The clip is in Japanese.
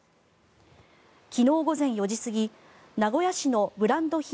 昨日午前４時過ぎ、名古屋市のブランド品